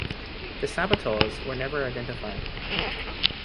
The saboteurs were never identified.